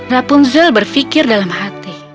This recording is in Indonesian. rapunzel berpikir dalam hati